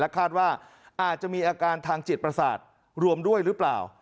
คาดว่าอาจจะมีอาการทางจิตประสาทรวมด้วยหรือเปล่า